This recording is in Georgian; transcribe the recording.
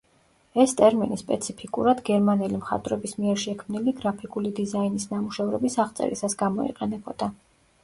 ეს ტერმინი სპეციფიკურად გერმანელი მხატვრების მიერ შექმნილი გრაფიკული დიზაინის ნამუშევრების აღწერისას გამოიყენებოდა.